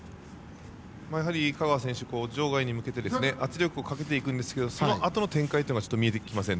香川選手、場外に向けて圧力をかけていくんですがそのあとの展開が見えてきません。